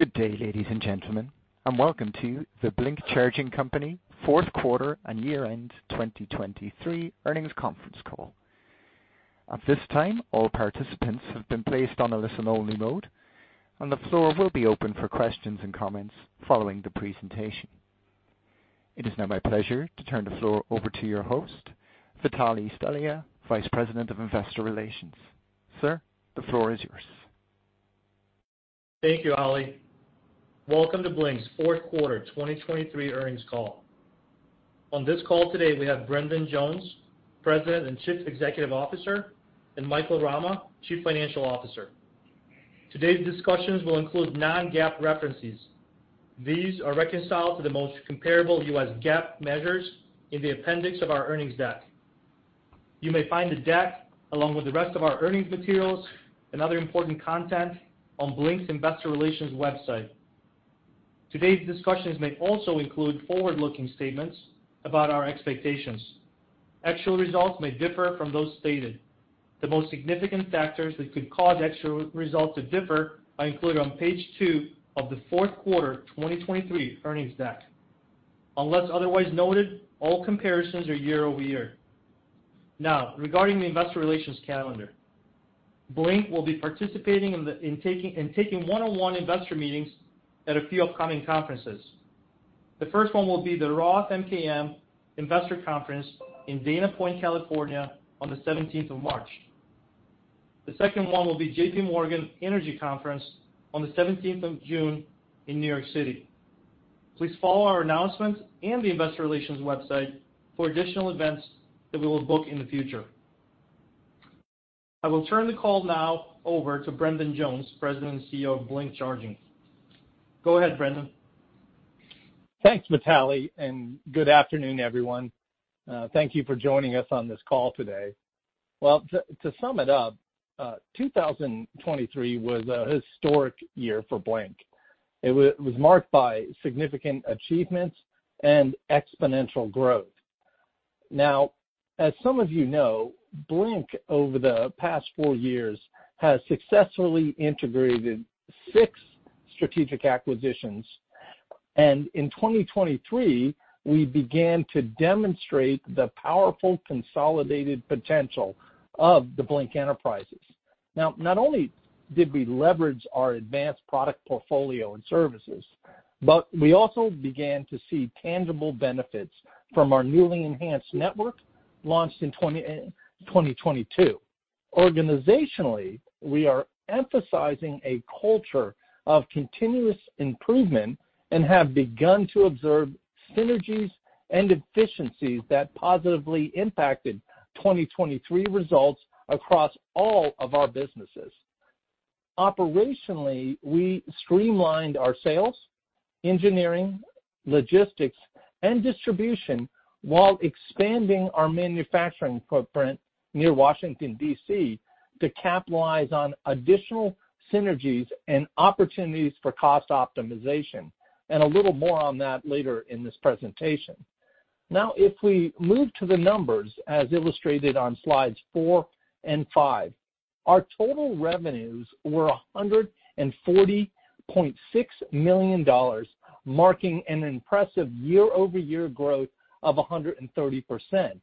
Good day, ladies and gentlemen, and welcome to the Blink Charging Company fourth quarter and year-end 2023 earnings Conference Call. At this time, all participants have been placed on a listen-only mode, and the floor will be open for questions and comments following the presentation. It is now my pleasure to turn the floor over to your host, Vitalie Stelea, Vice President of Investor Relations. Sir, the floor is yours. Thank you, Holly. Welcome to Blink's fourth quarter 2023 earnings call. On this call today, we have Brendan Jones, President and Chief Executive Officer, and Michael Rama, Chief Financial Officer. Today's discussions will include non-GAAP references. These are reconciled to the most comparable U.S. GAAP measures in the appendix of our earnings deck. You may find the deck, along with the rest of our earnings materials and other important content, on Blink's Investor Relations website. Today's discussions may also include forward-looking statements about our expectations. Actual results may differ from those stated. The most significant factors that could cause actual results to differ are included on page two of the fourth quarter 2023 earnings deck. Unless otherwise noted, all comparisons are year-over-year. Now, regarding the Investor Relations calendar, Blink will be participating in taking one-on-one investor meetings at a few upcoming conferences. The first one will be the Roth MKM Investor Conference in Dana Point, California, on the 17th of March. The second one will be J.P. Morgan Energy Conference on the 17th of June in New York City. Please follow our announcements and the Investor Relations website for additional events that we will book in the future. I will turn the call now over to Brendan Jones, President and CEO of Blink Charging. Go ahead, Brendan. Thanks, Vitalie, and good afternoon, everyone. Thank you for joining us on this call today. Well, to sum it up, 2023 was a historic year for Blink. It was marked by significant achievements and exponential growth. Now, as some of you know, Blink over the past four years has successfully integrated six strategic acquisitions, and in 2023, we began to demonstrate the powerful consolidated potential of the Blink enterprises. Now, not only did we leverage our advanced product portfolio and services, but we also began to see tangible benefits from our newly enhanced network launched in 2022. Organizationally, we are emphasizing a culture of continuous improvement and have begun to observe synergies and efficiencies that positively impacted 2023 results across all of our businesses. Operationally, we streamlined our sales, engineering, logistics, and distribution while expanding our manufacturing footprint near Washington, D.C., to capitalize on additional synergies and opportunities for cost optimization, and a little more on that later in this presentation. Now, if we move to the numbers as illustrated on slides four and five our total revenues were $140.6 million, marking an impressive year-over-year growth of 130%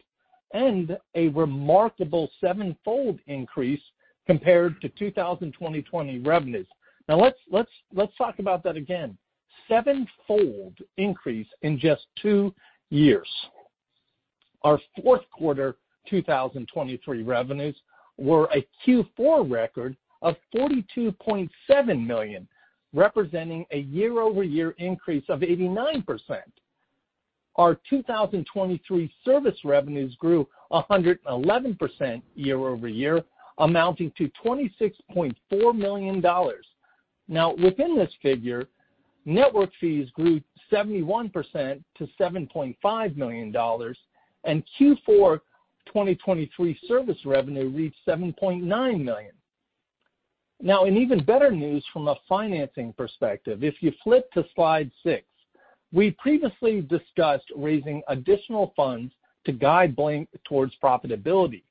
and a remarkable seven-fold increase compared to 2020 revenues. Now, let's talk about that again: seven-fold increase in just two years. Our fourth quarter 2023 revenues were a Q4 record of $42.7 million, representing a year-over-year increase of 89%. Our 2023 service revenues grew 111% year-over-year, amounting to $26.4 million. Now, within this figure, network fees grew 71% to $7.5 million, and Q4 2023 service revenue reached $7.9 million. Now, in even better news from a financing perspective, if you flip to slide 6, we previously discussed raising additional funds to guide Blink towards profitability.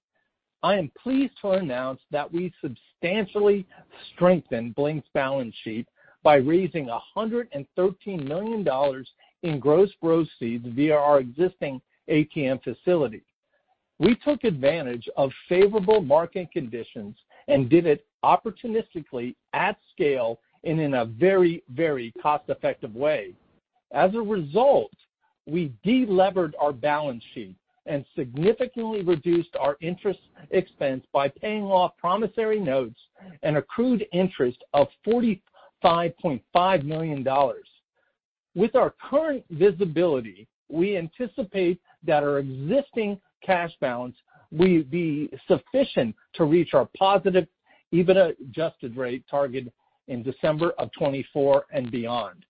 I am pleased to announce that we substantially strengthened Blink's balance sheet by raising $113 million in gross proceeds via our existing ATM facility. We took advantage of favorable market conditions and did it opportunistically, at scale, and in a very, very cost-effective way. As a result, we de-levered our balance sheet and significantly reduced our interest expense by paying off promissory notes and accrued interest of $45.5 million. With our current visibility, we anticipate that our existing cash balance will be sufficient to reach our positive, even-adjusted rate target in December of 2024 and beyond.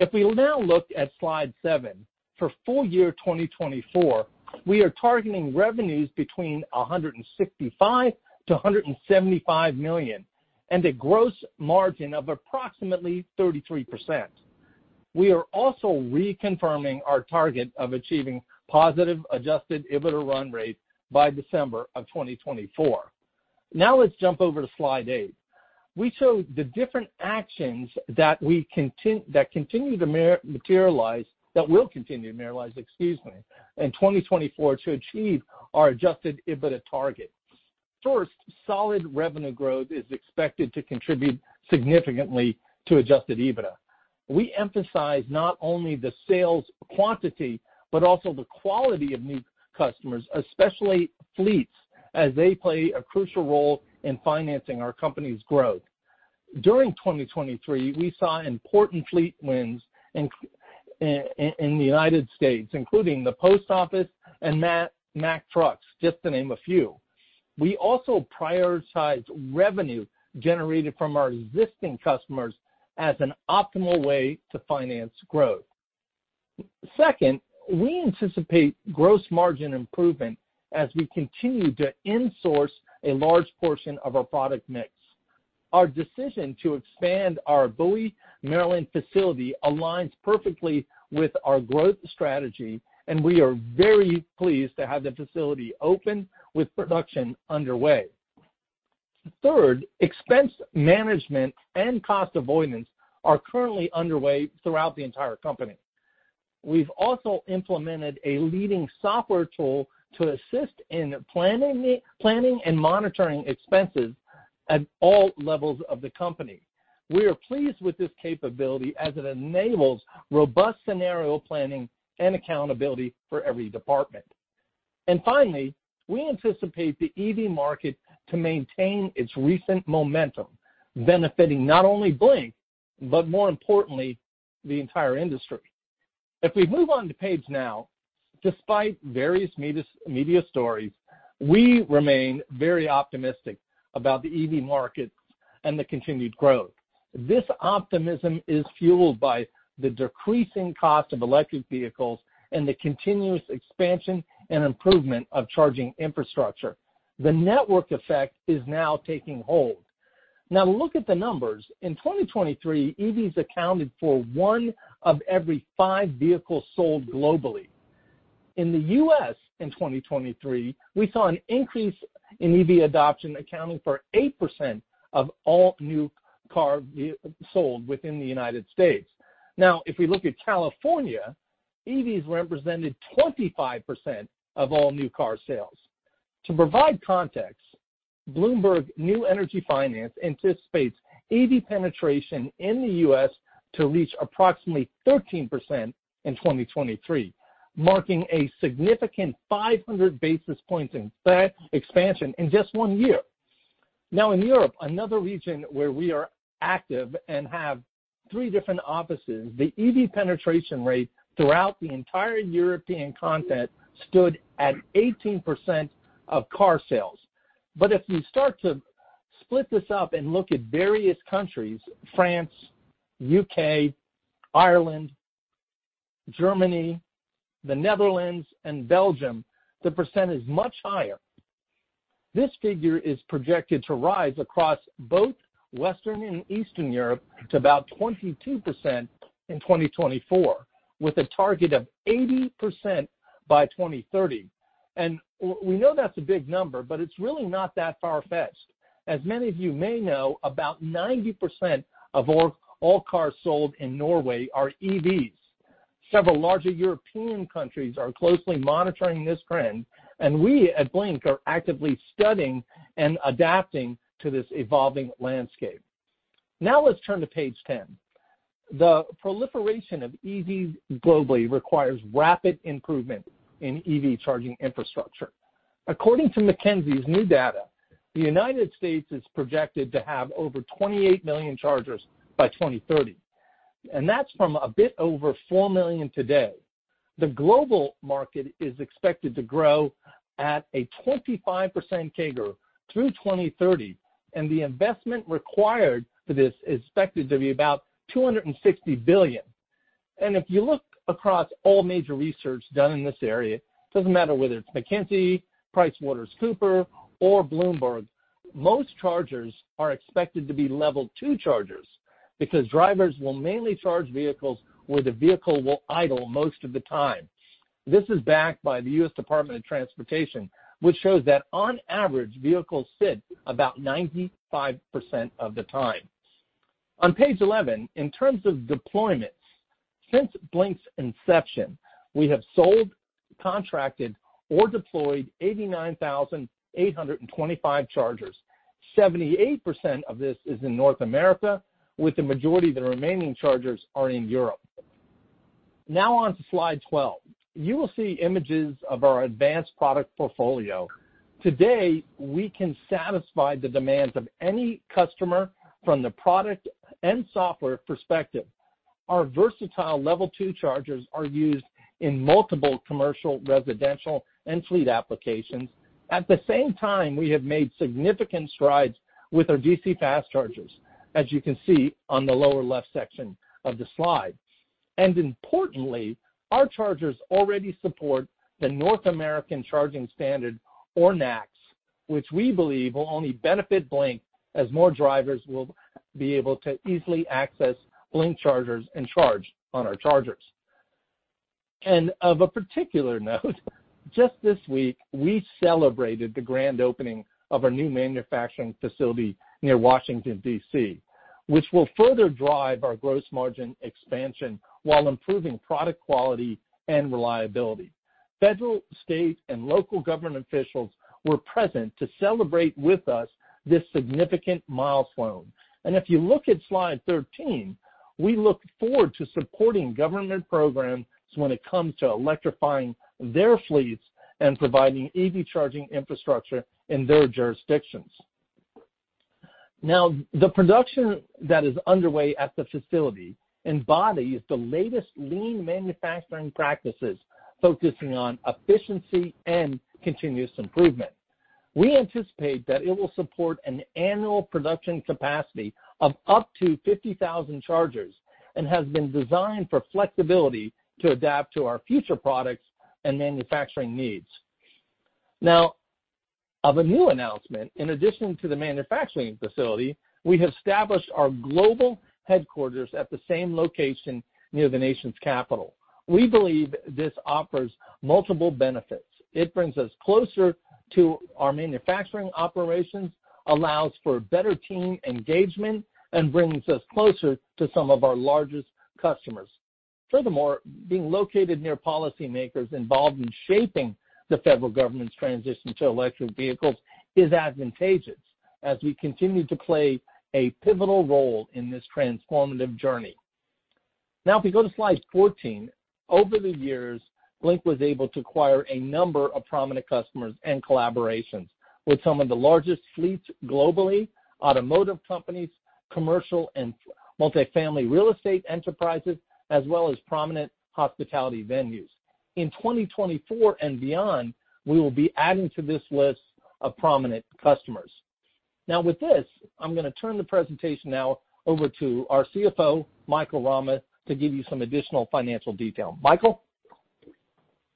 If we now look at slide seven, for full year 2024, we are targeting revenues between $165-$175 million and a gross margin of approximately 33%. We are also reconfirming our target of achieving positive Adjusted EBITDA run rate by December of 2024. Now, let's jump over to slide eight. We show the different actions that continue to materialize that will continue to materialize, excuse me, in 2024 to achieve our Adjusted EBITDA target. First, solid revenue growth is expected to contribute significantly to Adjusted EBITDA. We emphasize not only the sales quantity but also the quality of new customers, especially fleets, as they play a crucial role in financing our company's growth. During 2023, we saw important fleet wins in the United States, including the Post Office and Mack Trucks, just to name a few. We also prioritized revenue generated from our existing customers as an optimal way to finance growth. Second, we anticipate gross margin improvement as we continue to insource a large portion of our product mix. Our decision to expand our Bowie, Maryland facility aligns perfectly with our growth strategy, and we are very pleased to have the facility open with production underway. Third, expense management and cost avoidance are currently underway throughout the entire company. We've also implemented a leading software tool to assist in planning and monitoring expenses at all levels of the company. We are pleased with this capability as it enables robust scenario planning and accountability for every department. And finally, we anticipate the EV market to maintain its recent momentum, benefiting not only Blink but, more importantly, the entire industry. If we move on to page now, despite various media stories, we remain very optimistic about the EV market and the continued growth. This optimism is fueled by the decreasing cost of electric vehicles and the continuous expansion and improvement of charging infrastructure. The network effect is now taking hold. Now, look at the numbers. In 2023, EVs accounted for one of every five vehicles sold globally. In the U.S., in 2023, we saw an increase in EV adoption accounting for 8% of all new cars sold within the United States. Now, if we look at California, EVs represented 25% of all new car sales. To provide context, Bloomberg New Energy Finance anticipates EV penetration in the U.S. to reach approximately 13% in 2023, marking a significant 500 basis points expansion in just one year. Now, in Europe, another region where we are active and have three different offices, the EV penetration rate throughout the entire European continent stood at 18% of car sales. But if you start to split this up and look at various countries-France, U.K. Ireland, Germany, the Netherlands, and Belgium-the percent is much higher. This figure is projected to rise across both Western and Eastern Europe to about 22% in 2024, with a target of 80% by 2030. We know that's a big number, but it's really not that far-fetched. As many of you may know, about 90% of all cars sold in Norway are EVs. Several larger European countries are closely monitoring this trend, and we at Blink are actively studying and adapting to this evolving landscape. Now, let's turn to page 10. The proliferation of EVs globally requires rapid improvement in EV charging infrastructure. According to McKinsey & Company's new data, the United States is projected to have over 28 million chargers by 2030, and that's from a bit over 4 million today. The global market is expected to grow at a 25% CAGR through 2030, and the investment required for this is expected to be about $260 billion. If you look across all major research done in this area, it doesn't matter whether it's McKinsey, PricewaterhouseCoopers, or Bloomberg, most chargers are expected to be Level two chargers because drivers will mainly charge vehicles where the vehicle will idle most of the time. This is backed by the U.S. Department of Transportation, which shows that, on average, vehicles sit about 95% of the time. On page 11, in terms of deployments, since Blink's inception, we have sold, contracted, or deployed 89,825 chargers. 78% of this is in North America, with the majority of the remaining chargers in Europe. Now, on to slide 12. You will see images of our advanced product portfolio. Today, we can satisfy the demands of any customer from the product and software perspective. Our versatile Level 2 chargers are used in multiple commercial, residential, and fleet applications. At the same time, we have made significant strides with our DC fast chargers, as you can see on the lower left section of the slide. Importantly, our chargers already support the North American Charging Standard, or NACS, which we believe will only benefit Blink as more drivers will be able to easily access Blink chargers and charge on our chargers. Of a particular note, just this week, we celebrated the grand opening of our new manufacturing facility near Washington, D.C., which will further drive our gross margin expansion while improving product quality and reliability. Federal, state, and local government officials were present to celebrate with us this significant milestone. If you look at slide 13, we look forward to supporting government programs when it comes to electrifying their fleets and providing EV charging infrastructure in their jurisdictions. Now, the production that is underway at the facility embodies the latest lean manufacturing practices focusing on efficiency and continuous improvement. We anticipate that it will support an annual production capacity of up to 50,000 chargers and has been designed for flexibility to adapt to our future products and manufacturing needs. Now, one new announcement, in addition to the manufacturing facility, we have established our global headquarters at the same location near the nation's capital. We believe this offers multiple benefits. It brings us closer to our manufacturing operations, allows for better team engagement, and brings us closer to some of our largest customers. Furthermore, being located near policymakers involved in shaping the federal government's transition to electric vehicles is advantageous as we continue to play a pivotal role in this transformative journey. Now, if we go to slide 14, over the years, Blink was able to acquire a number of prominent customers and collaborations with some of the largest fleets globally, automotive companies, commercial and multifamily real estate enterprises, as well as prominent hospitality venues. In 2024 and beyond, we will be adding to this list of prominent customers. Now, with this, I'm going to turn the presentation now over to our CFO, Michael Rama, to give you some additional financial detail. Michael?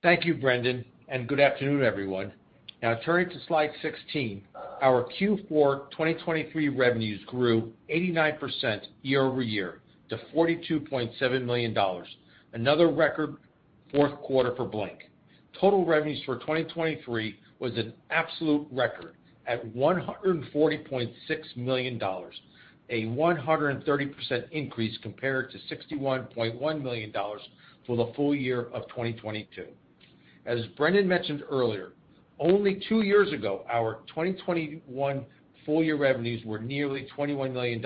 Thank you, Brendan, and good afternoon, everyone. Now, turning to slide 16, our Q4 2023 revenues grew 89% year-over-year to $42.7 million, another record fourth quarter for Blink. Total revenues for 2023 was an absolute record at $140.6 million, a 130% increase compared to $61.1 million for the full year of 2022. As Brendan mentioned earlier, only two years ago, our 2021 full year revenues were nearly $21 million,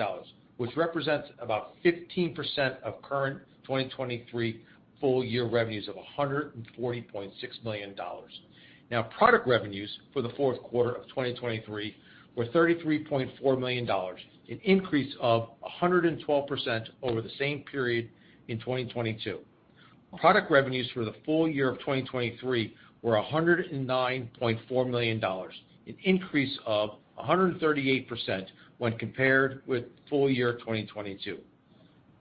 which represents about 15% of current 2023 full year revenues of $140.6 million. Now, product revenues for the fourth quarter of 2023 were $33.4 million, an increase of 112% over the same period in 2022. Product revenues for the full year of 2023 were $109.4 million, an increase of 138% when compared with full year 2022.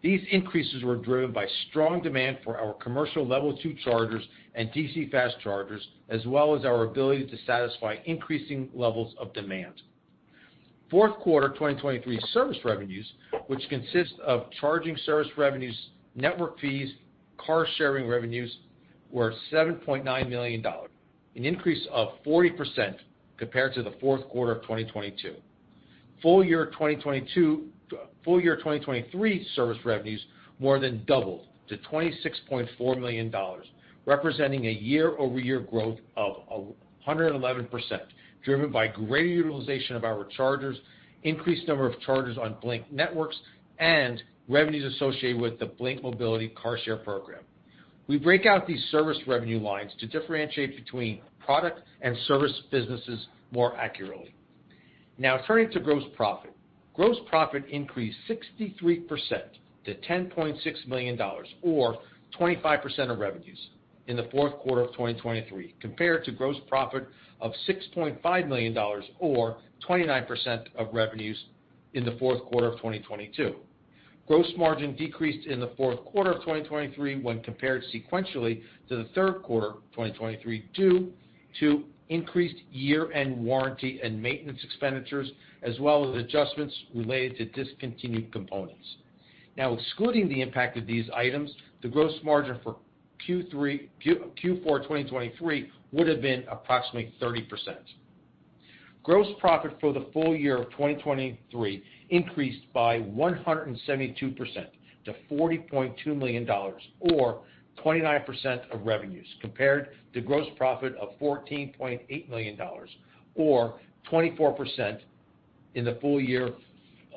These increases were driven by strong demand for our commercial Level two chargers and DC Fast Chargers, as well as our ability to satisfy increasing levels of demand. Fourth quarter 2023 service revenues, which consist of charging service revenues, network fees, car sharing revenues, were $7.9 million, an increase of 40% compared to the fourth quarter of 2022. Full year 2023 service revenues more than doubled to $26.4 million, representing a year-over-year growth of 111% driven by greater utilization of our chargers, increased number of chargers on Blink Network, and revenues associated with the Blink Mobility Car Share Program. We break out these service revenue lines to differentiate between product and service businesses more accurately. Now, turning to gross profit, gross profit increased 63% to $10.6 million, or 25% of revenues, in the fourth quarter of 2023 compared to gross profit of $6.5 million, or 29% of revenues, in the fourth quarter of 2022. Gross margin decreased in the fourth quarter of 2023 when compared sequentially to the third quarter of 2023 due to increased year-end warranty and maintenance expenditures, as well as adjustments related to discontinued components. Now, excluding the impact of these items, the gross margin for Q4 2023 would have been approximately 30%. Gross profit for the full year of 2023 increased by 172% to $40.2 million, or 29% of revenues, compared to gross profit of $14.8 million, or 24% in the full year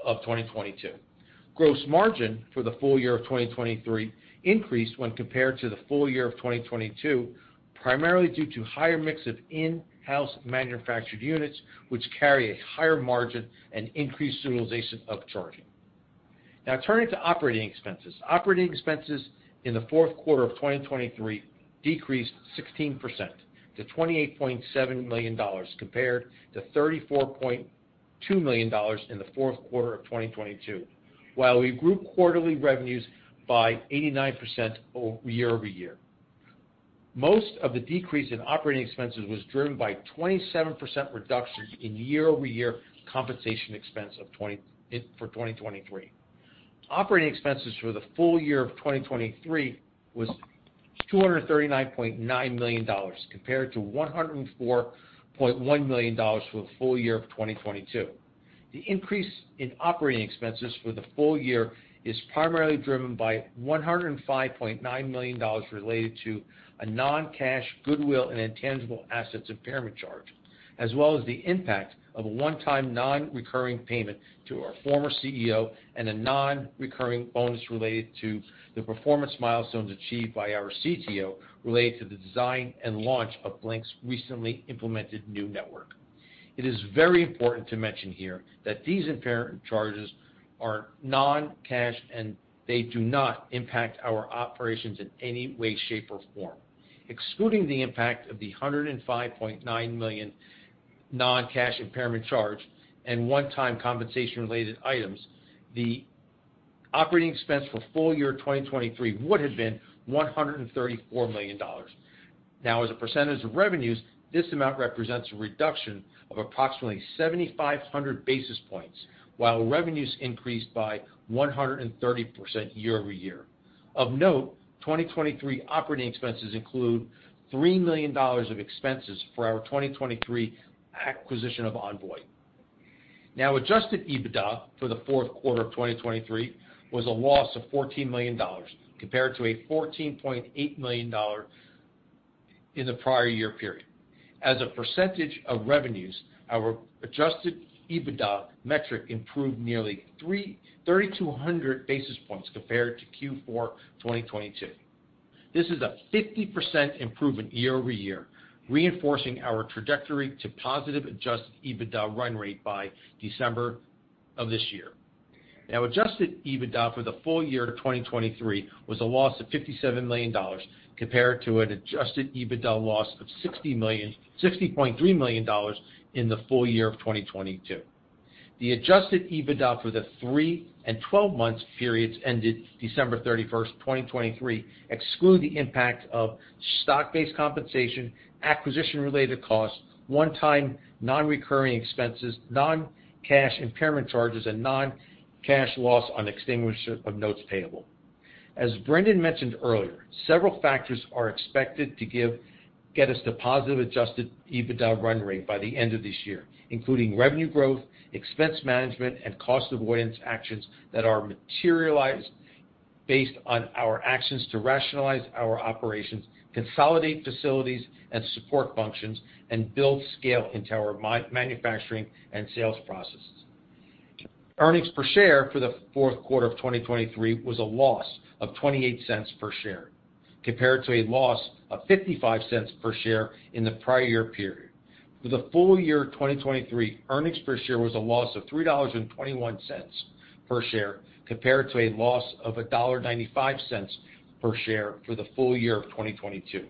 of 2022. Gross margin for the full year of 2023 increased when compared to the full year of 2022, primarily due to higher mix of in-house manufactured units, which carry a higher margin and increased utilization of charging. Now, turning to operating expenses, operating expenses in the fourth quarter of 2023 decreased 16% to $28.7 million compared to $34.2 million in the fourth quarter of 2022, while we grouped quarterly revenues by 89% year over year. Most of the decrease in operating expenses was driven by 27% reduction in year-over-year compensation expense for 2023. Operating expenses for the full year of 2023 was $239.9 million compared to $104.1 million for the full year of 2022. The increase in operating expenses for the full year is primarily driven by $105.9 million related to a non-cash, goodwill, and intangible assets impairment charge, as well as the impact of a one-time non-recurring payment to our former CEO and a non-recurring bonus related to the performance milestones achieved by our CTO related to the design and launch of Blink's recently implemented new network. It is very important to mention here that these impairment charges are non-cash, and they do not impact our operations in any way, shape, or form. Excluding the impact of the $105.9 million non-cash impairment charge and one-time compensation-related items, the operating expense for full year 2023 would have been $134 million. Now, as a percentage of revenues, this amount represents a reduction of approximately 7,500 basis points, while revenues increased by 130% year-over-year. Of note, 2023 operating expenses include $3 million of expenses for our 2023 acquisition of Envoy. Now, Adjusted EBITDA for the fourth quarter of 2023 was a loss of $14 million compared to a $14.8 million in the prior year period. As a percentage of revenues, our Adjusted EBITDA metric improved nearly 3,200 basis points compared to Q4 2022. This is a 50% improvement year-over-year, reinforcing our trajectory to positive Adjusted EBITDA run rate by December of this year. Now, Adjusted EBITDA for the full year of 2023 was a loss of $57 million compared to an Adjusted EBITDA loss of $60.3 million in the full year of 2022. The Adjusted EBITDA for the three and 12-month periods ended 31st December 2023, exclude the impact of stock-based compensation, acquisition-related costs, one-time non-recurring expenses, non-cash impairment charges, and non-cash loss on extinguisher of notes payable. As Brendan mentioned earlier, several factors are expected to get us to positive Adjusted EBITDA run rate by the end of this year, including revenue growth, expense management, and cost avoidance actions that are materialized based on our actions to rationalize our operations, consolidate facilities and support functions, and build scale into our manufacturing and sales processes. Earnings per share for the fourth quarter of 2023 was a loss of $0.28 per share compared to a loss of $0.55 per share in the prior year period. For the full year 2023, Earnings per share was a loss of $3.21 per share compared to a loss of $1.95 per share for the full year of 2022.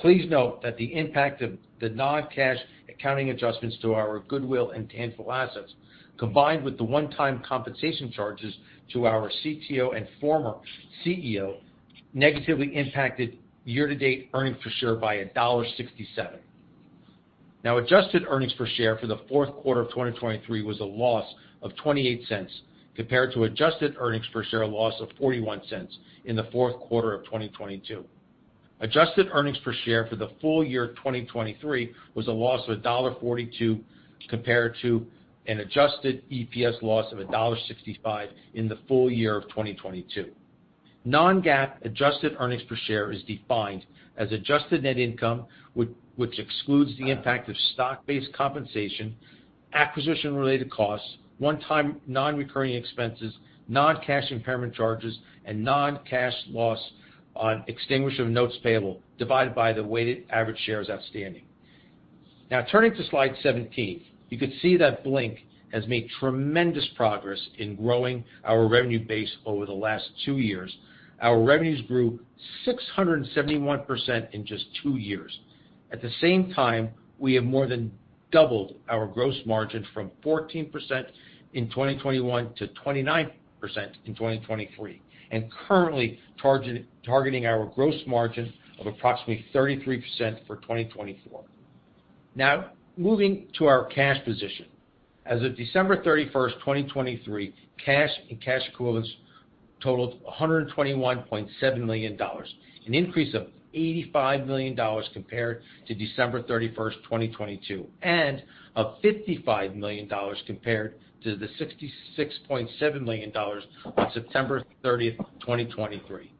Please note that the impact of the non-cash accounting adjustments to our goodwill and tangible assets, combined with the one-time compensation charges to our CTO and former CEO, negatively impacted year-to-date earnings per share by $1.67. Now, adjusted earnings per share for the fourth quarter of 2023 was a loss of $0.28 compared to adjusted earnings per share loss of $0.41 in the fourth quarter of 2022. Adjusted earnings per share for the full year 2023 was a loss of $1.42 compared to an adjusted EPS loss of $1.65 in the full year of 2022. Non-GAAP adjusted earnings per share is defined as adjusted net income, which excludes the impact of stock-based compensation, acquisition-related costs, one-time non-recurring expenses, non-cash impairment charges, and non-cash loss on extinguishment of notes payable divided by the weighted average shares outstanding. Now, turning to slide 17, you could see that Blink has made tremendous progress in growing our revenue base over the last two years. Our revenues grew 671% in just two years. At the same time, we have more than doubled our gross margin from 14% in 2021 to 29% in 2023, and currently targeting our gross margin of approximately 33% for 2024. Now, moving to our cash position, as of 31st December 2023, cash and cash equivalents totaled $121.7 million, an increase of $85 million compared to December 31st, 2022, and of $55 million compared to the $66.7 million on 30th September 2023.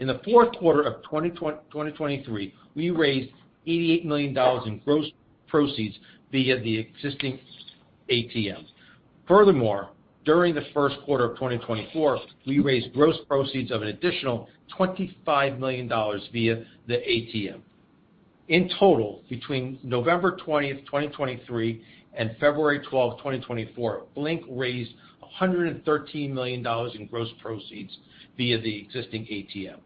In the fourth quarter of 2023, we raised $88 million in gross proceeds via the existing ATM. Furthermore, during the first quarter of 2024, we raised gross proceeds of an additional $25 million via the ATM. In total, between 20th November 2023, and 12th February 2024, Blink raised $113 million in gross proceeds via the existing ATM.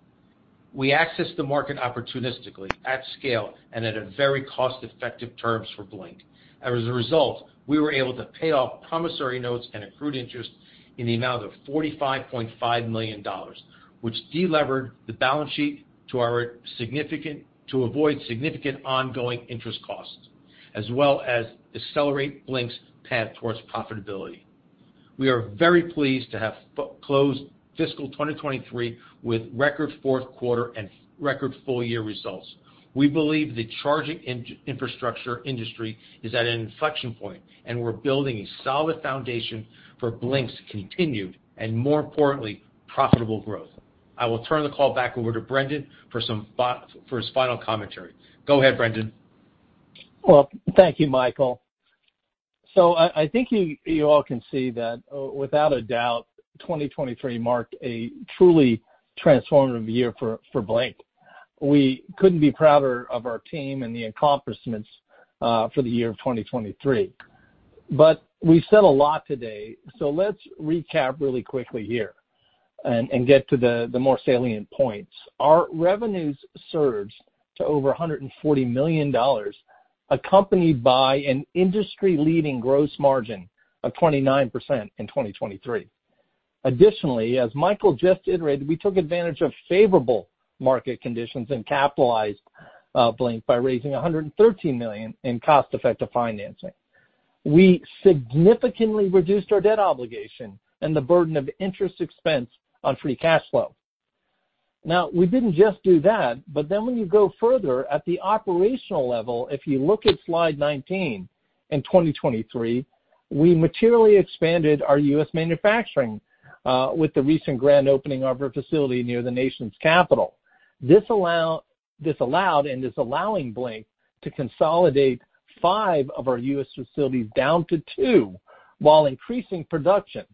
We accessed the market opportunistically, at scale, and at very cost-effective terms for Blink. As a result, we were able to pay off promissory notes and accrued interest in the amount of $45.5 million, which delevered the balance sheet to avoid significant ongoing interest costs, as well as accelerate Blink's path towards profitability. We are very pleased to have closed fiscal 2023 with record fourth quarter and record full year results. We believe the charging infrastructure industry is at an inflection point, and we're building a solid foundation for Blink's continued and, more importantly, profitable growth. I will turn the call back over to Brendan for his final commentary. Go ahead, Brendan. Well, thank you, Michael. So I think you all can see that, without a doubt, 2023 marked a truly transformative year for Blink. We couldn't be prouder of our team and the accomplishments for the year of 2023. But we said a lot today, so let's recap really quickly here and get to the more salient points. Our revenues surged to over $140 million, accompanied by an industry-leading gross margin of 29% in 2023. Additionally, as Michael just iterated, we took advantage of favorable market conditions and capitalized on Blink by raising $113 million in cost-effective financing. We significantly reduced our debt obligation and the burden of interest expense on free cash flow. Now, we didn't just do that, but then when you go further at the operational level, if you look at slide 19, in 2023, we materially expanded our U.S. manufacturing with the recent grand opening of our facility near the nation's capital. This allowed and is allowing Blink to consolidate five of our U.S. facilities down to two while increasing production.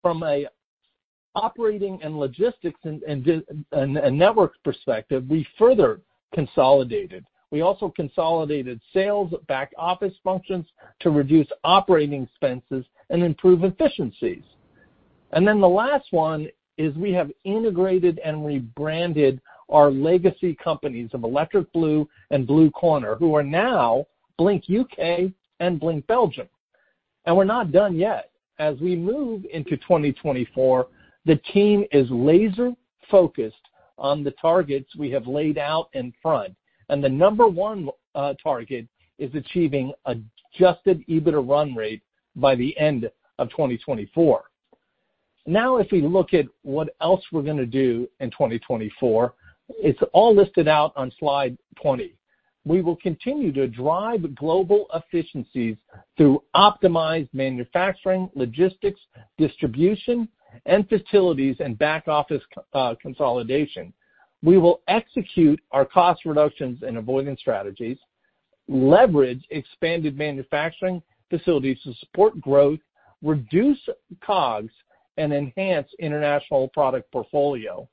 From an operating and logistics and network perspective, we further consolidated. We also consolidated sales back-office functions to reduce operating expenses and improve efficiencies. And then the last one is we have integrated and rebranded our legacy companies of Electric Blue and Blue Corner, who are now Blink UK and Blink Belgium. And we're not done yet. As we move into 2024, the team is laser-focused on the targets we have laid out in front, and the number one target is achieving Adjusted EBITDA run rate by the end of 2024. Now, if we look at what else we're going to do in 2024, it's all listed out on slide 20. We will continue to drive global efficiencies through optimized manufacturing, logistics, distribution, and facilities and back-office consolidation. We will execute our cost reductions and avoidance strategies, leverage expanded manufacturing facilities to support growth, reduce COGS, and enhance international product portfolio.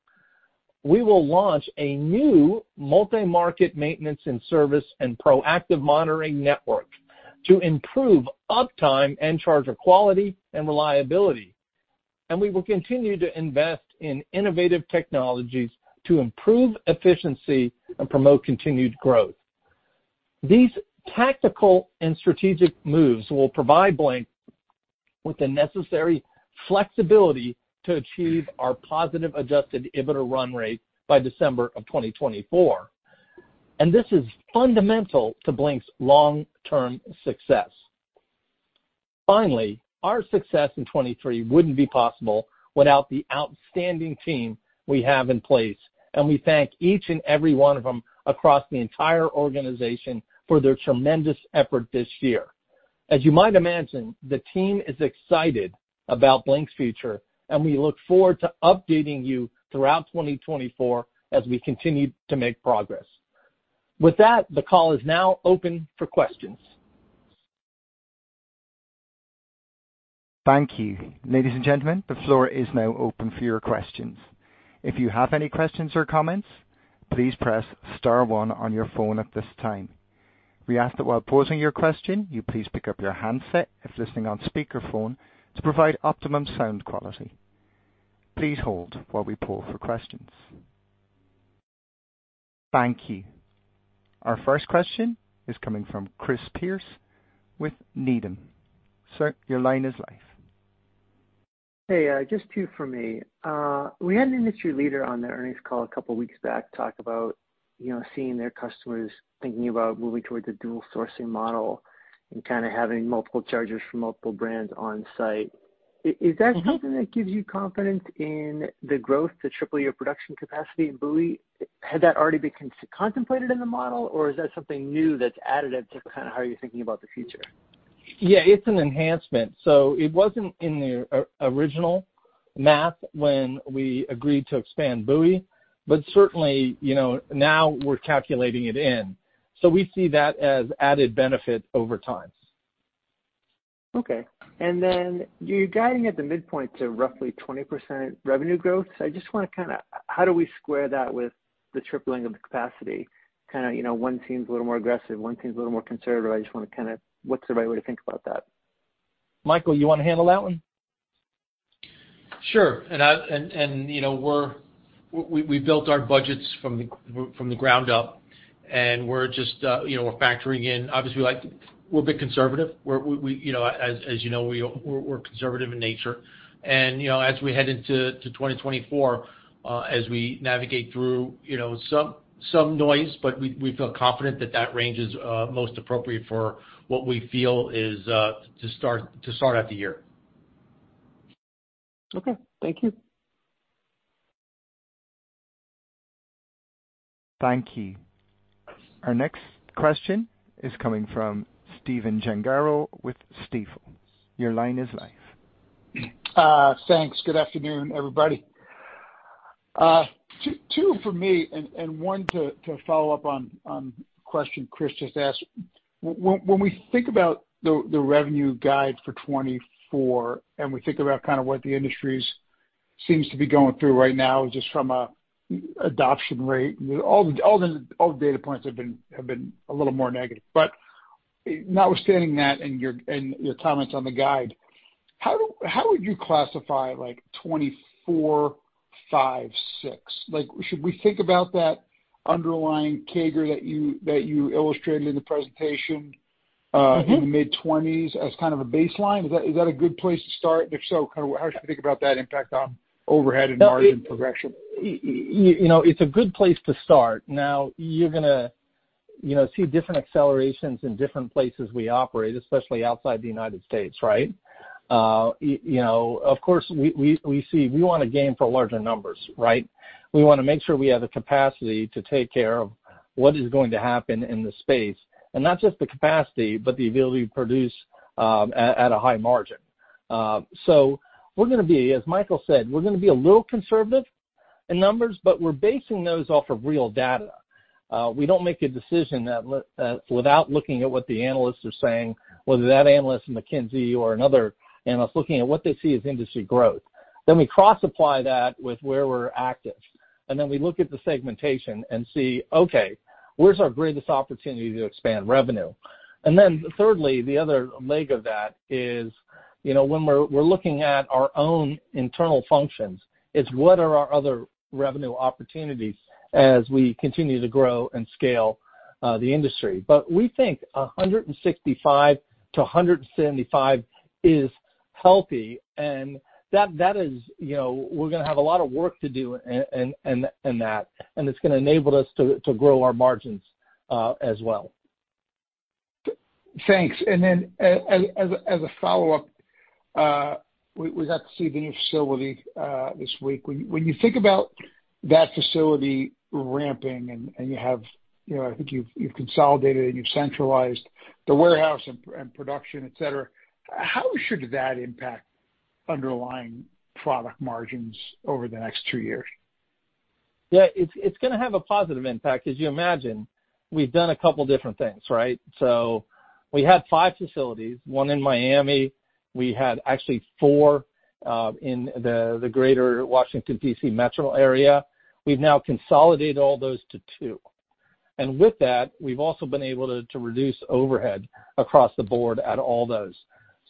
We will launch a new multi-market maintenance and service and proactive monitoring network to improve uptime and charger quality and reliability. We will continue to invest in innovative technologies to improve efficiency and promote continued growth. These tactical and strategic moves will provide Blink with the necessary flexibility to achieve our positive Adjusted EBITDA run rate by December of 2024. This is fundamental to Blink's long-term success. Finally, our success in 2023 wouldn't be possible without the outstanding team we have in place, and we thank each and every one of them across the entire organization for their tremendous effort this year. As you might imagine, the team is excited about Blink's future, and we look forward to updating you throughout 2024 as we continue to make progress. With that, the call is now open for questions. Thank you. Ladies and gentlemen, the floor is now open for your questions. If you have any questions or comments, please press star one on your phone at this time. Requested while posing your question, you please pick up your handset if listening on speakerphone to provide optimum sound quality. Please hold while we pull for questions. Thank you. Our first question is coming from Chris Pierce with Needham. Sir, your line is live. Hey, just two from me. We had an industry leader on the earnings call a couple of weeks back talk about seeing their customers thinking about moving towards a dual-sourcing model and kind of having multiple chargers for multiple brands on-site. Is that something that gives you confidence in the growth to triple your production capacity in Bowie? Had that already been contemplated in the model, or is that something new that's additive to kind of how you're thinking about the future? Yeah, it's an enhancement. So it wasn't in the original math when we agreed to expand Bowie, but certainly, now we're calculating it in. So we see that as added benefit over time. Okay. And then you're guiding at the midpoint to roughly 20% revenue growth. So I just want to kind of how do we square that with the tripling of the capacity? Kind of one seems a little more aggressive, one seems a little more conservative. I just want to kind of what's the right way to think about that? Michael, you want to handle that one? Sure. And we've built our budgets from the ground up, and we're just factoring in obviously, we're a bit conservative. As you know, we're conservative in nature. And as we head into 2024, as we navigate through some noise, but we feel confident that that range is most appropriate for what we feel is to start at the year. Okay. Thank you. Thank you. Our next question is coming from Stephen Gengaro with Stifel.Your line is live. Thanks. Good afternoon, everybody. Two for me and one to follow up on a question Chris just asked. When we think about the revenue guide for 2024 and we think about kind of what the industry seems to be going through right now just from an adoption rate, all the data points have been a little more negative. But notwithstanding that and your comments on the guide, how would you classify 2024, 2025, 2026? Should we think about that underlying CAGR that you illustrated in the presentation in the mid-2020s as kind of a baseline? Is that a good place to start? And if so, kind of how should we think about that impact on overhead and margin progression? It's a good place to start. Now, you're going to see different accelerations in different places we operate, especially outside the United States, right? Of course, we want to gain for larger numbers, right? We want to make sure we have the capacity to take care of what is going to happen in the space, and not just the capacity, but the ability to produce at a high margin. So we're going to be as Michael said, we're going to be a little conservative in numbers, but we're basing those off of real data. We don't make a decision without looking at what the analysts are saying, whether that analyst is McKinsey or another analyst, looking at what they see as industry growth. Then we cross-supply that with where we're active, and then we look at the segmentation and see, "Okay, where's our greatest opportunity to expand revenue?" And then thirdly, the other leg of that is when we're looking at our own internal functions, it's what are our other revenue opportunities as we continue to grow and scale the industry? But we think 165-175 is healthy, and that is we're going to have a lot of work to do in that, and it's going to enable us to grow our margins as well. Thanks. And then as a follow-up, we got to see the new facility this week. When you think about that facility ramping and you have I think you've consolidated and you've centralized the warehouse and production, etc., how should that impact underlying product margins over the next two years? Yeah, it's going to have a positive impact because you imagine, we've done a couple of different things, right? So we had five facilities, one in Miami. We had actually four in the greater Washington, D.C., metro area. We've now consolidated all those to two. And with that, we've also been able to reduce overhead across the board at all those.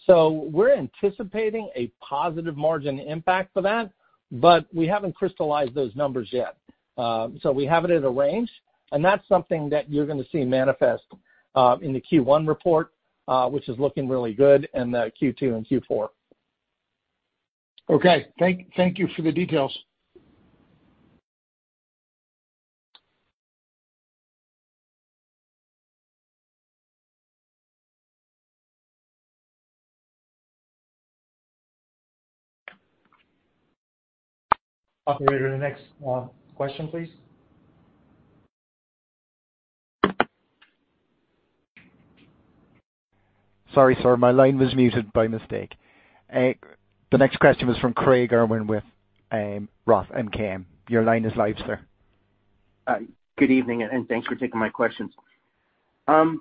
So we're anticipating a positive margin impact for that, but we haven't crystallized those numbers yet. So we have it at a range, and that's something that you're going to see manifest in the Q1 report, which is looking really good in the Q2 and Q4. Okay. Thank you for the details. Operator, the next question, please. Sorry, sir. My line was muted by mistake. The next question was from Craig Irwin with Roth MKM. Your line is live, sir. Good evening, and thanks for taking my questions. More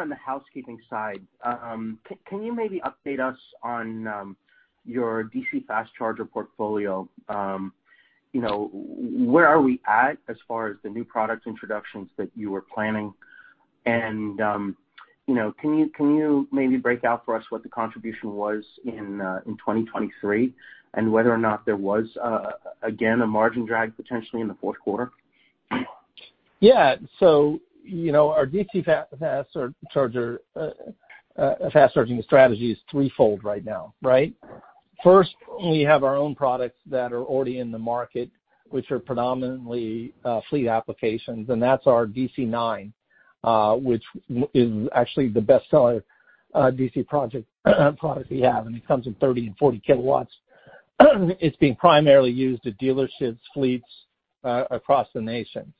on the housekeeping side, can you maybe update us on your DC fast charger portfolio? Where are we at as far as the new product introductions that you were planning? And can you maybe break out for us what the contribution was in 2023 and whether or not there was, again, a margin drag potentially in the fourth quarter? Yeah. So our DC fast charging strategy is threefold right now, right? First, we have our own products that are already in the market, which are predominantly fleet applications, and that's our DC9, which is actually the best-selling DC charger product we have, and it comes in 30-40 kW. It's being primarily used at dealerships, fleets across the nation.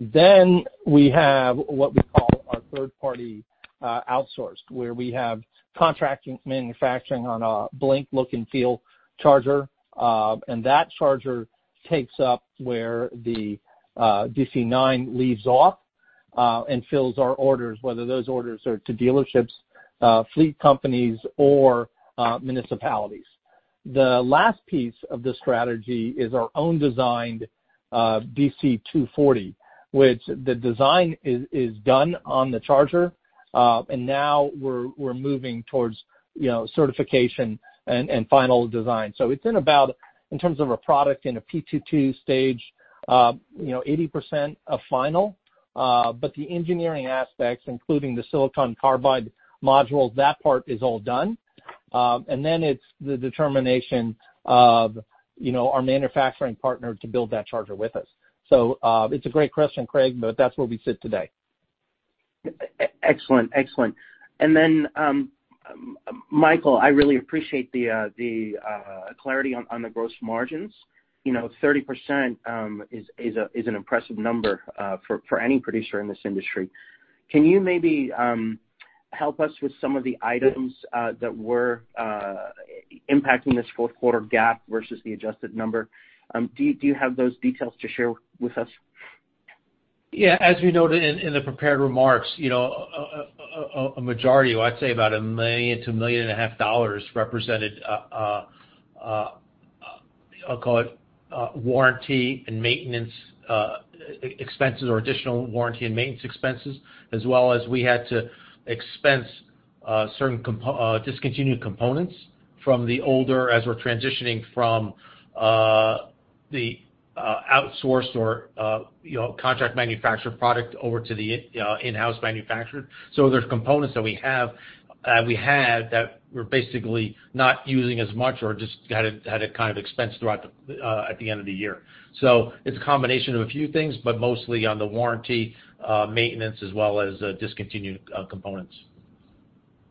Then we have what we call our third-party outsourced, where we have contract manufacturing on a Blink look and feel charger, and that charger takes up where the DC9 leaves off and fills our orders, whether those orders are to dealerships, fleet companies, or municipalities. The last piece of the strategy is our own designed DC240, which the design is done on the charger, and now we're moving towards certification and final design. So it's in about in terms of a product in a P22 stage, 80% of final, but the engineering aspects, including the Silicon Carbide modules, that part is all done. And then it's the determination of our manufacturing partner to build that charger with us. So it's a great question, Craig, but that's where we sit today. Excellent. Excellent. And then, Michael, I really appreciate the clarity on the gross margins. 30% is an impressive number for any producer in this industry. Can you maybe help us with some of the items that were impacting this fourth quarter gap versus the adjusted number? Do you have those details to share with us? Yeah. As we noted in the prepared remarks, a majority, I'd say about $1 million-$1.5 million represented, I'll call it, warranty and maintenance expenses or additional warranty and maintenance expenses, as well as we had to expense certain discontinued components from the older as we're transitioning from the outsourced or contract manufactured product over to the in-house manufactured. So there's components that we had that we're basically not using as much or just had to kind of expense at the end of the year. So it's a combination of a few things, but mostly on the warranty, maintenance, as well as discontinued components.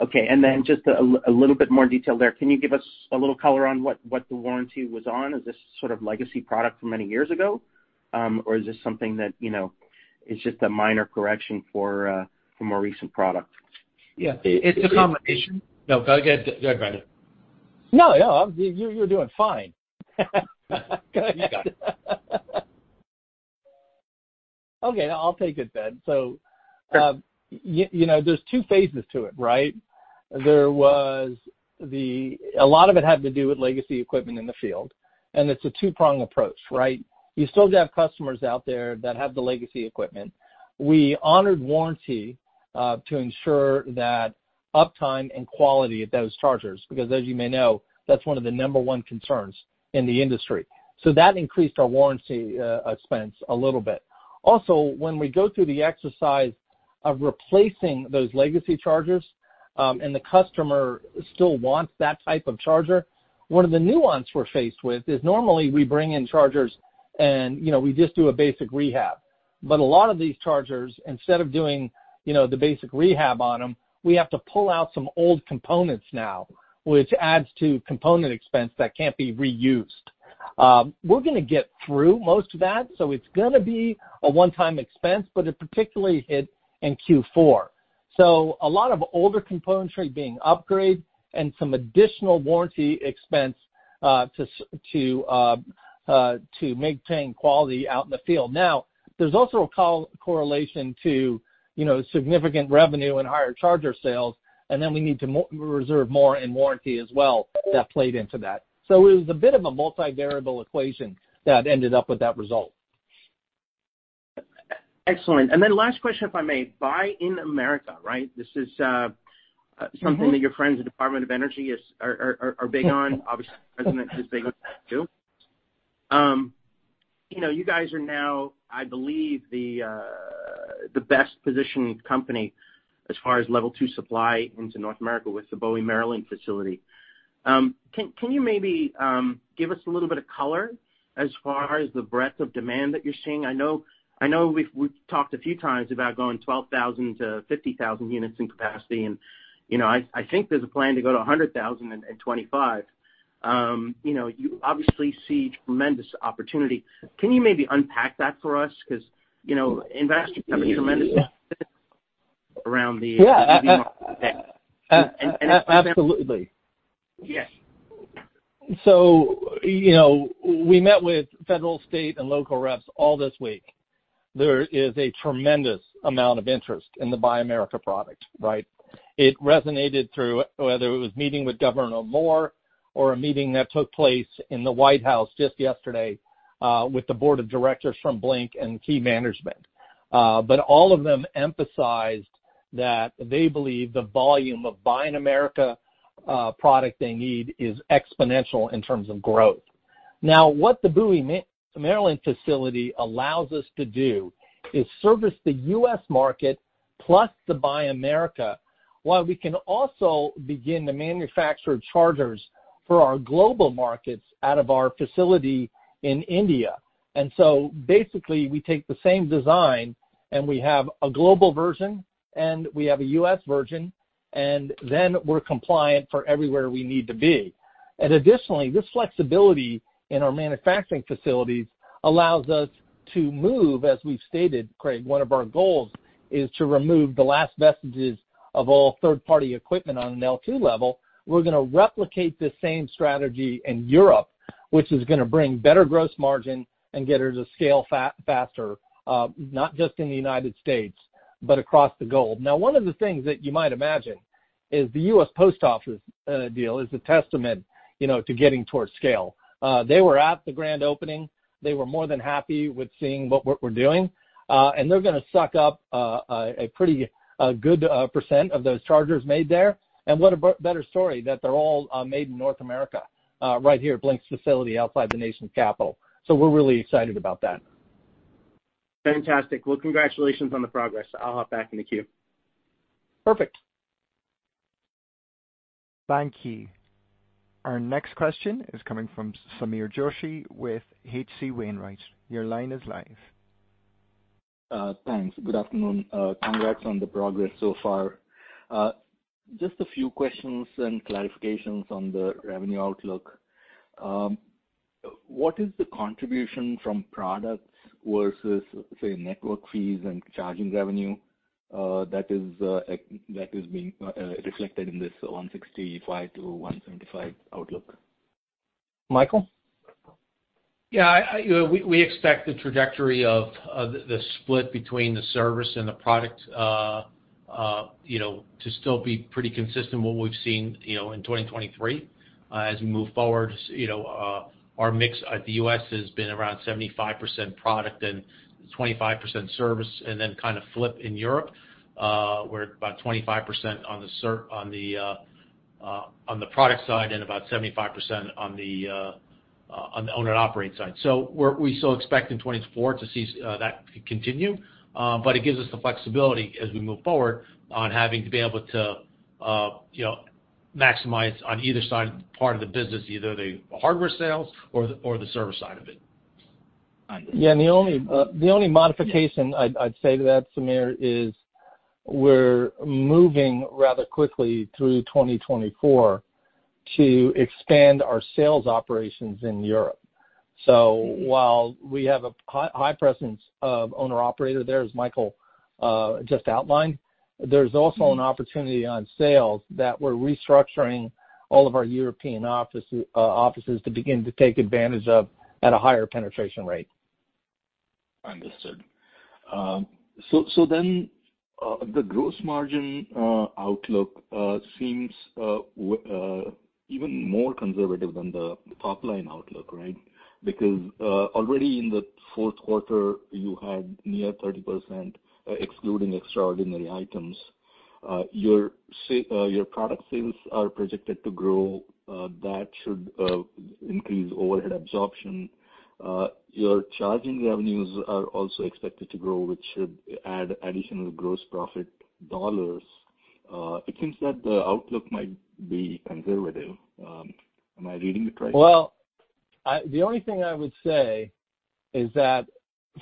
Okay. And then just a little bit more detail there. Can you give us a little color on what the warranty was on? Is this sort of legacy product from many years ago, or is this something that it's just a minor correction for a more recent product? Yeah. It's a combination. No, go ahead. Go ahead, Brendan. No, no. You're doing fine. Go ahead. You got it. Okay. I'll take it then. So there's two phases to it, right? A lot of it had to do with legacy equipment in the field, and it's a two-pronged approach, right? You still have customers out there that have the legacy equipment. We honored warranty to ensure that uptime and quality at those chargers because, as you may know, that's one of the number one concerns in the industry. So that increased our warranty expense a little bit. Also, when we go through the exercise of replacing those legacy chargers and the customer still wants that type of charger, one of the nuances we're faced with is normally, we bring in chargers, and we just do a basic rehab. But a lot of these chargers, instead of doing the basic rehab on them, we have to pull out some old components now, which adds to component expense that can't be reused. We're going to get through most of that, so it's going to be a one-time expense, but it particularly hit in Q4. So a lot of older componentry being upgraded and some additional warranty expense to maintain quality out in the field. Now, there's also a correlation to significant revenue and higher charger sales, and then we need to reserve more in warranty as well that played into that. So it was a bit of a multi-variable equation that ended up with that result. Excellent. And then last question, if I may. Buy America, right? This is something that your friends at the Department of Energy are big on. Obviously, President is big on that too. You guys are now, I believe, the best-positioned company as far as Level 2 supply into North America with the Bowie, Maryland facility. Can you maybe give us a little bit of color as far as the breadth of demand that you're seeing? I know we've talked a few times about going 12,000-50,000 units in capacity, and I think there's a plan to go to 100,000 in 2025. You obviously see tremendous opportunity. Can you maybe unpack that for us because investors have a tremendous interest around the EV market today? Yeah. Absolutely. Yes. So we met with federal, state, and local reps all this week. There is a tremendous amount of interest in the Buy America product, right? It resonated through whether it was meeting with Governor Moore or a meeting that took place in the White House just yesterday with the board of directors from Blink and key management. But all of them emphasized that they believe the volume of Buy America product they need is exponential in terms of growth. Now, what the Bowie, Maryland facility allows us to do is service the U.S. market plus the Buy America while we can also begin to manufacture chargers for our global markets out of our facility in India. And so basically, we take the same design, and we have a global version, and we have a U.S. version, and then we're compliant for everywhere we need to be. Additionally, this flexibility in our manufacturing facilities allows us to move, as we've stated, Craig, one of our goals is to remove the last vestiges of all third-party equipment on an L2 level. We're going to replicate the same strategy in Europe, which is going to bring better gross margin and get it to scale faster, not just in the United States, but across the globe. Now, one of the things that you might imagine is the U.S. Post Office deal is a testament to getting towards scale. They were at the grand opening. They were more than happy with seeing what we're doing, and they're going to suck up a pretty good percent of those chargers made there. And what a better story that they're all made in North America right here at Blink's facility outside the nation's capital. So we're really excited about that. Fantastic. Well, congratulations on the progress. I'll hop back in the queue. Perfect. Thank you. Our next question is coming from Sameer Joshi with H.C. Wainwright. Your line is live. Thanks. Good afternoon. Congrats on the progress so far. Just a few questions and clarifications on the revenue outlook. What is the contribution from products versus, say, network fees and charging revenue that is being reflected in this $165-$175 outlook? Michael? Yeah. We expect the trajectory of the split between the service and the product to still be pretty consistent with what we've seen in 2023 as we move forward. Our mix at the U.S. has been around 75% product and 25% service, and then kind of flip in Europe. We're about 25% on the product side and about 75% on the own and operate side. So we still expect in 2024 to see that continue, but it gives us the flexibility as we move forward on having to be able to maximize on either side part of the business, either the hardware sales or the service side of it. Yeah. And the only modification I'd say to that, Samir, is we're moving rather quickly through 2024 to expand our sales operations in Europe. So while we have a high presence of owner-operator there, as Michael just outlined, there's also an opportunity on sales that we're restructuring all of our European offices to begin to take advantage of at a higher penetration rate. Understood. So then the gross margin outlook seems even more conservative than the top-line outlook, right? Because already in the fourth quarter, you had near 30% excluding extraordinary items. Your product sales are projected to grow. That should increase overhead absorption. Your charging revenues are also expected to grow, which should add additional gross profit dollars. It seems that the outlook might be conservative. Am I reading it right? Well, the only thing I would say is that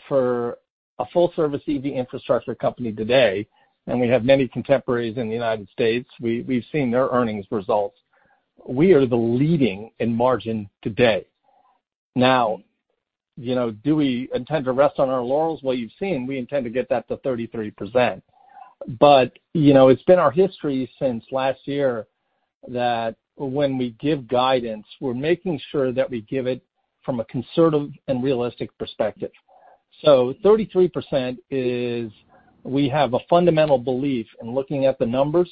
for a full-service EV infrastructure company today, and we have many contemporaries in the United States. We've seen their earnings results. We are the leading in margin today. Now, do we intend to rest on our laurels? Well, you've seen we intend to get that to 33%. But it's been our history since last year that when we give guidance, we're making sure that we give it from a conservative and realistic perspective. So 33% is we have a fundamental belief in looking at the numbers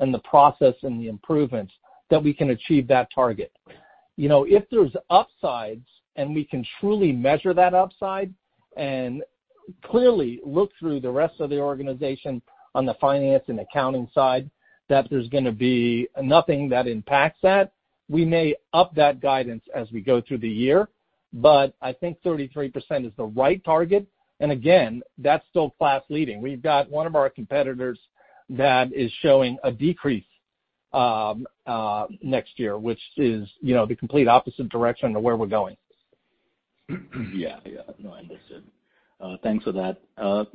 and the process and the improvements that we can achieve that target. If there's upsides and we can truly measure that upside and clearly look through the rest of the organization on the finance and accounting side that there's going to be nothing that impacts that, we may up that guidance as we go through the year. But I think 33% is the right target. And again, that's still class-leading. We've got one of our competitors that is showing a decrease next year, which is the complete opposite direction of where we're going. Yeah. Yeah. No, understood. Thanks for that.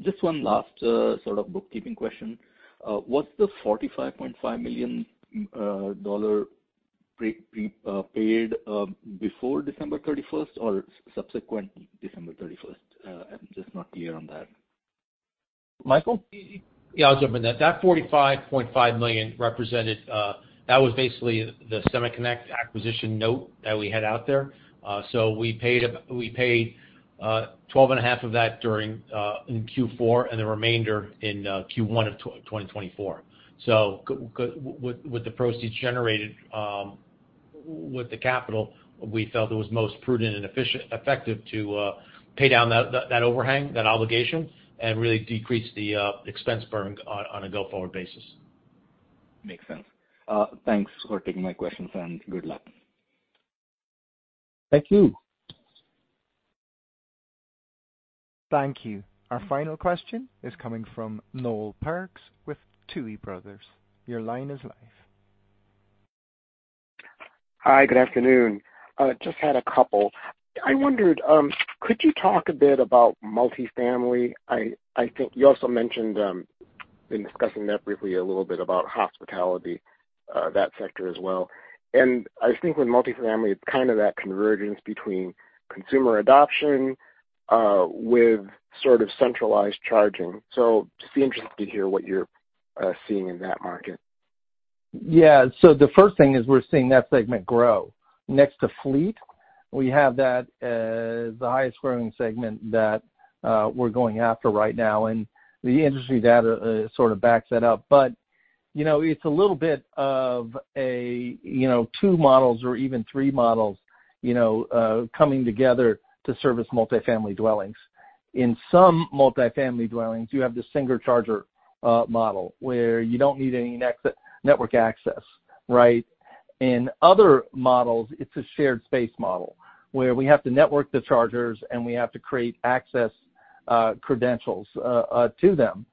Just one last sort of bookkeeping question. Was the $45.5 million paid before 31st December or subsequent 31st December? I'm just not clear on that. Michael? Yeah. I'll jump in there. That $45.5 million represented that. That was basically the SemaConnect acquisition note that we had out there. So we paid $12.5 of that in Q4 and the remainder in Q1 of 2024. So with the proceeds generated with the capital, we felt it was most prudent and effective to pay down that overhang, that obligation, and really decrease the expense burden on a go-forward basis. Makes sense. Thanks for taking my questions, and good luck. Thank you. Thank you. Our final question is coming from Noel Parks with Tuohy Brothers. Your line is live. Hi. Good afternoon. Just had a couple. I wondered, could you talk a bit about multifamily? I think you also mentioned in discussing that briefly a little bit about hospitality, that sector as well. And I think with multifamily, it's kind of that convergence between consumer adoption with sort of centralized charging. So just be interested to hear what you're seeing in that market. Yeah. So the first thing is we're seeing that segment grow. Next to fleet, we have that as the highest-growing segment that we're going after right now, and the industry data sort of backs that up. But it's a little bit of two models or even three models coming together to service multifamily dwellings. In some multifamily dwellings, you have the single charger model where you don't need any network access, right? In other models, it's a shared space model where we have to network the chargers, and we have to create access credentials to them.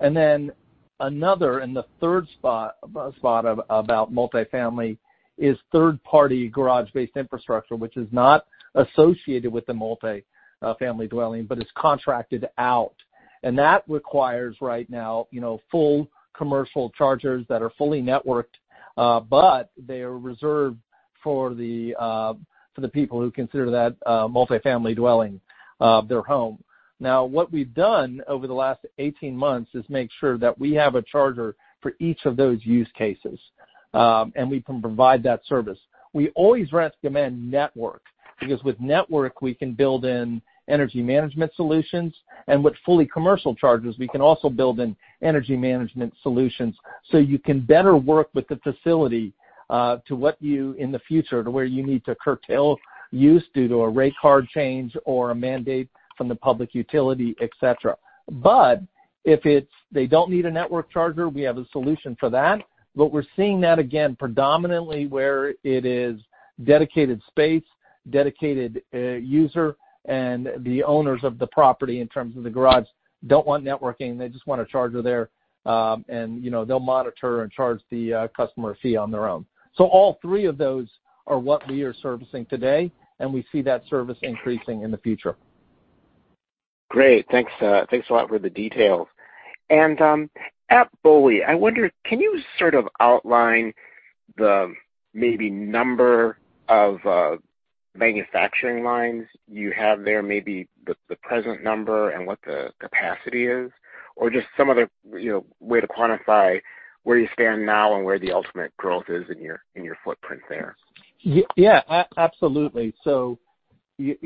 And then another and the third spot about multifamily is third-party garage-based infrastructure, which is not associated with the multifamily dwelling but is contracted out. And that requires right now full commercial chargers that are fully networked, but they are reserved for the people who consider that multifamily dwelling their home. Now, what we've done over the last 18 months is make sure that we have a charger for each of those use cases, and we can provide that service. We always recommend network because with network, we can build in energy management solutions. And with fully commercial chargers, we can also build in energy management solutions so you can better work with the facility to what you need in the future to where you need to curtail use due to a rate card change or a mandate from the public utility, etc. But if they don't need a network charger, we have a solution for that. But we're seeing that again predominantly where it is dedicated space, dedicated user, and the owners of the property in terms of the garage don't want networking. They just want a charger there, and they'll monitor and charge the customer fee on their own. So all three of those are what we are servicing today, and we see that service increasing in the future. Great. Thanks a lot for the details. At Bowie, I wonder, can you sort of outline the maybe number of manufacturing lines you have there, maybe the present number and what the capacity is, or just some other way to quantify where you stand now and where the ultimate growth is in your footprint there? Yeah. Absolutely. So we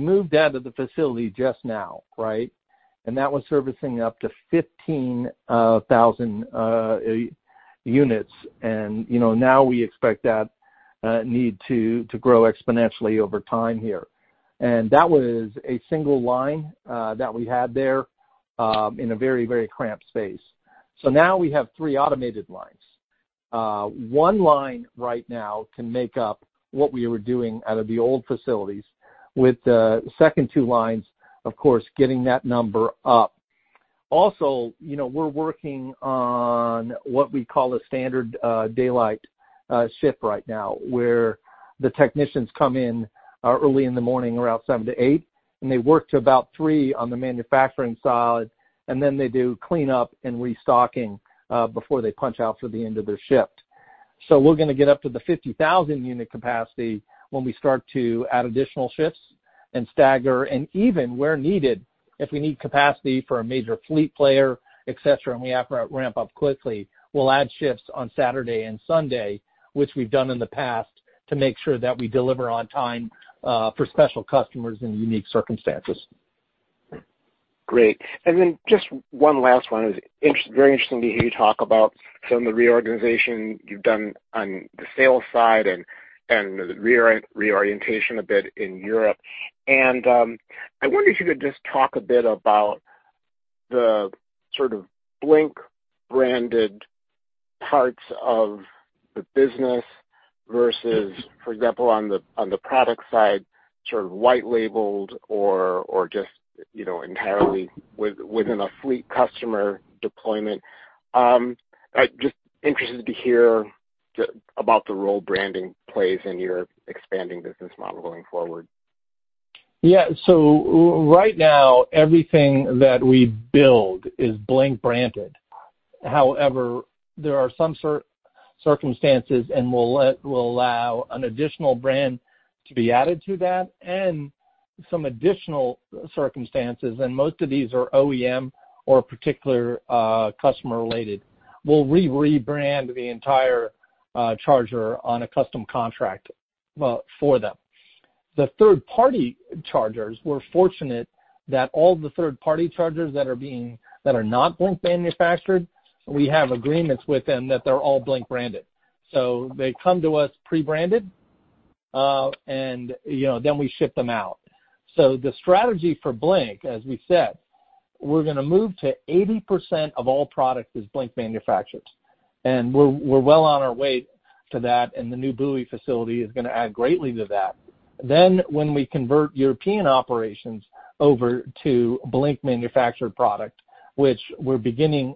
moved out of the facility just now, right? That was servicing up to 15,000 units. Now we expect that need to grow exponentially over time here. That was a single line that we had there in a very, very cramped space. So now we have three automated lines. One line right now can make up what we were doing out of the old facilities with the second two lines, of course, getting that number up. Also, we're working on what we call a standard daylight shift right now where the technicians come in early in the morning around 7:00 A.M. to 8:00 A.M., and they work to about 3:00 P.M. on the manufacturing side, and then they do cleanup and restocking before they punch out for the end of their shift. So we're going to get up to the 50,000-unit capacity when we start to add additional shifts and stagger and even where needed, if we need capacity for a major fleet player, etc., and we have to ramp up quickly, we'll add shifts on Saturday and Sunday, which we've done in the past, to make sure that we deliver on time for special customers in unique circumstances. Great. And then just one last one. It was very interesting to hear you talk about some of the reorganization you've done on the sales side and the reorientation a bit in Europe. And I wonder if you could just talk a bit about the sort of Blink-branded parts of the business versus, for example, on the product side, sort of white-labeled or just entirely within a fleet customer deployment. Just interested to hear about the role branding plays in your expanding business model going forward. Yeah. So right now, everything that we build is Blink-branded. However, there are some circumstances and will allow an additional brand to be added to that and some additional circumstances. And most of these are OEM or particular customer-related. We'll rebrand the entire charger on a custom contract for them. The third-party chargers, we're fortunate that all of the third-party chargers that are not Blink-manufactured, we have agreements with them that they're all Blink-branded. So they come to us prebranded, and then we ship them out. So the strategy for Blink, as we said, we're going to move to 80% of all products is Blink-manufactured. And we're well on our way to that, and the new Bowie facility is going to add greatly to that. Then when we convert European operations over to Blink-manufactured product, which we're beginning,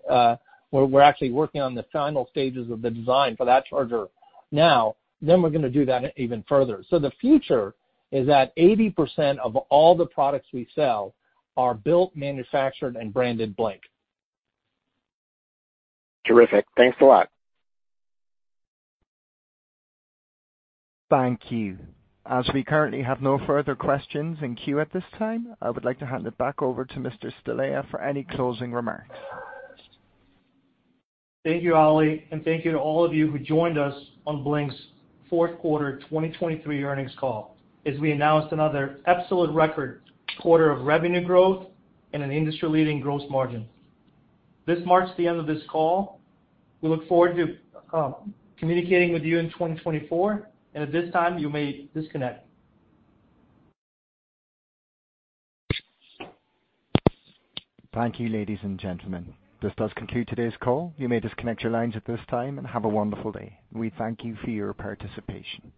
we're actually working on the final stages of the design for that charger now. Then we're going to do that even further. So the future is that 80% of all the products we sell are built, manufactured, and branded Blink. Terrific. Thanks a lot. Thank you. As we currently have no further questions in queue at this time, I would like to hand it back over to Mr. Stelea for any closing remarks. Thank you, Holly, and thank you to all of you who joined us on Blink's fourth quarter 2023 earnings call as we announced another absolute record quarter of revenue growth and an industry-leading gross margin. This marks the end of this call. We look forward to communicating with you in 2024. At this time, you may disconnect. Thank you, ladies and gentlemen. This does conclude today's call. You may disconnect your lines at this time and have a wonderful day. We thank you for your participation.